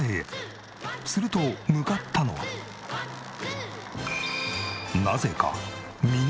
すると向かったのはなぜか港。